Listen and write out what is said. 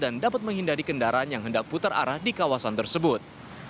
dan dapat menghindari kendaraan yang hendak putar arah di kawasan tersebut